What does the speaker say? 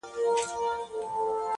ریښتینی ځواک په ثبات کې دی؛